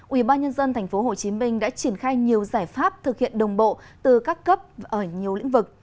ubnd tp hcm đã triển khai nhiều giải pháp thực hiện đồng bộ từ các cấp ở nhiều lĩnh vực